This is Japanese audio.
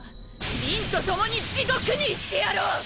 りんと共に地獄に行ってやろう！